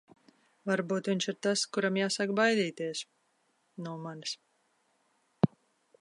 Varbūt viņš ir tas, kuram jāsāk baidīties... no manis.